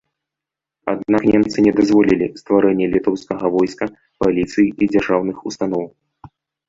Аднак немцы не дазволілі стварэнне літоўскага войска, паліцыі і дзяржаўных устаноў.